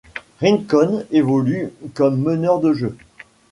Rincón évolue comme meneur de jeu.